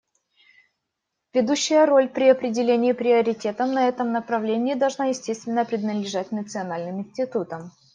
Ведущая роль при определении приоритетов на этом направлении должна, естественно, принадлежать национальным институтам.